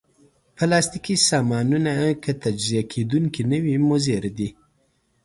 پلاستيکي سامانونه که تجزیه کېدونکي نه وي، مضر دي.